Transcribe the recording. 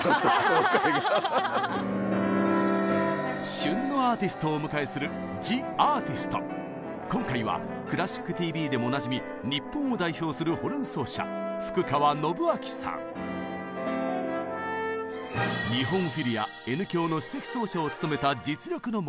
旬のアーティストをお迎えする今回は「クラシックＴＶ」でもおなじみ日本を代表するホルン奏者福川伸陽さん。日本フィルやＮ響の首席奏者を務めた実力の持ち主。